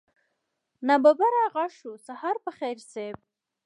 ناببره غږ شو سهار په خير صيب.